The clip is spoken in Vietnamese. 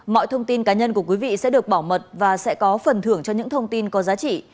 mọi thông tin cá nhân của quý vị sẽ được bảo mật và sẽ có phần thưởng cho những thông tin có giá trị